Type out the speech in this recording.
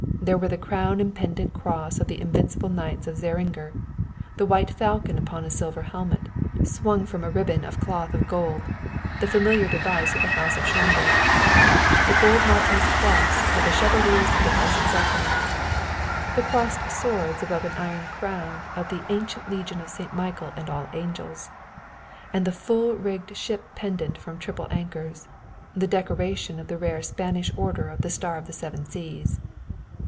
There were the crown and pendant cross of the Invincible Knights of Zaringer; the white falcon upon a silver helmet, swung from a ribbon of cloth of gold the familiar device of the house of Schomburg, the gold Maltese cross of the Chevaliers of the Blessed Sacrament; the crossed swords above an iron crown of the Ancient Legion of Saint Michael and All Angels; and the full rigged ship pendant from triple anchors the decoration of the rare Spanish order of the Star of the Seven Seas.